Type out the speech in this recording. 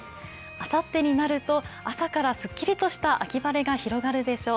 あさってになると朝からすっきりとした秋晴れが広がるでしょう。